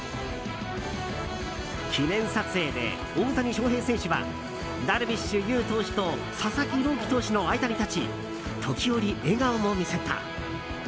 記念撮影で大谷翔平選手はダルビッシュ有投手と佐々木朗希投手の間に立ち時折、笑顔も見せた。